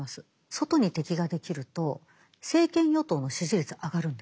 外に敵ができると政権与党の支持率が上がるんです。